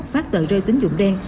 phát tờ rơi tín dụng đen